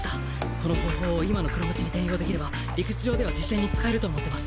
この方法を今の黒鞭に転用できれば理屈上では実戦に使えると思ってます。